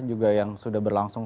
juga yang sudah berlangsung